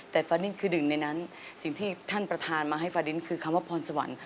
แต่ฟาดินคือหนึ่งในนั้นสิ่งที่ท่านประธานมาให้ฟาดินคือคำว่าพรสวรรค์